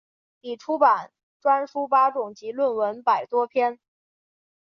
已出版专书八种及论文百多篇。